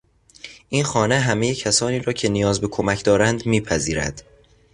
این خانه همهی کسانی را که نیاز به کمک دارند میپذیرد.